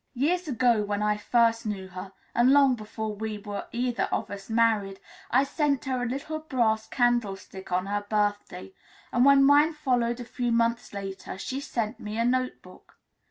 Years ago, when first I knew her, and long before we were either of us married, I sent her a little brass candlestick on her birthday; and when mine followed a few months later, she sent me a note book.